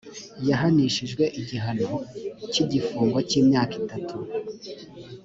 yhanishijwe igihano cy’igifungo cy’imyaka itatu